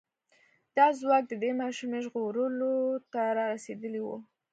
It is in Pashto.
دا ځواک د دې ماشومې ژغورلو ته را رسېدلی و.